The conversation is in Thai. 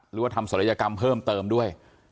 หรือว่าทำศัลยกรรมเพิ่มเติมด้วย